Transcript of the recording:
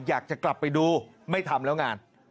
อยากจะกลับไปดูไม่ทำแล้วงาน